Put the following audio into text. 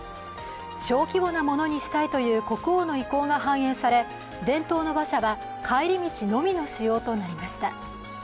小規模なものにしたいという国王の意向が反映され、伝統の馬車は帰り道のみの使用となりました。